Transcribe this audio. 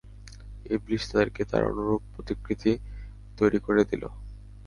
ইবলীস তাদেরকে তার অনুরূপ প্রতিকৃতি তৈরি করে দিল।